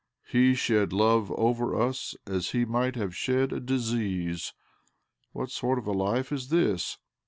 He shed love over us as he might have shed a disease. What sort of a life is this?